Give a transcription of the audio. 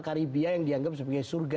karibia yang dianggap sebagai surga